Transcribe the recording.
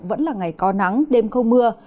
vẫn là ngày có nắng đêm không mưa